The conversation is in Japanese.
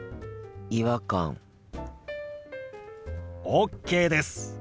ＯＫです。